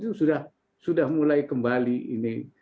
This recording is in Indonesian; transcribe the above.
itu sudah mulai kembali ini